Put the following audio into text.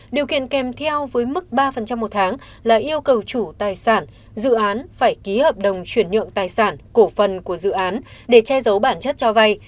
điều kiện kèm theo với mức ba một tháng là yêu cầu chủ tài sản dự án phải ký hợp đồng chuyển nhượng tài sản cổ phần của dự án để che giấu bản chất cho vay